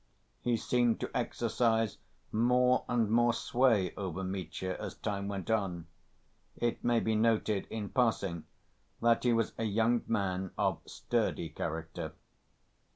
He seemed to exercise more and more sway over Mitya, as time went on. It may be noted in passing that he was a young man of sturdy character.